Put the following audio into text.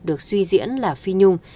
được suy diễn là phi nhung